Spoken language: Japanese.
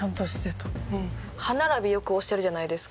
歯並びよくおっしゃるじゃないですか。